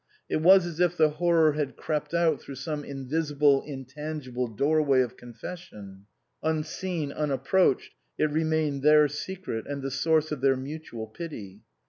It was as if the horror had crept out through some invisible, intangible doorway of confession ; unseen, unapproached, it re mained their secret and the source of their mutual pity.